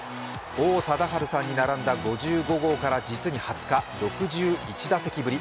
王貞治さんに並んだ５５号から実に２０日、６６打席ぶり。